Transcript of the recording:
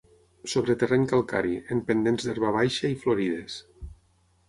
Sobre terreny calcari, en pendents d'herba baixa i florides.